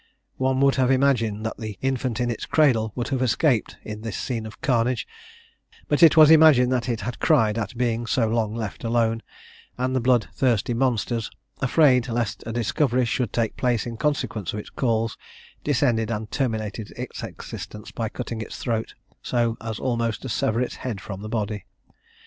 One would have imagined that the infant in its cradle would have escaped in this scene of carnage; but it was imagined that it had cried at being so long left alone, and the blood thirsty monsters, afraid lest a discovery should take place in consequence of its calls, descended and terminated its existence by cutting its throat, so as almost to sever its head from the body.